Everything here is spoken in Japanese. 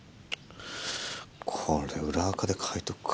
これ裏垢で書いとくか。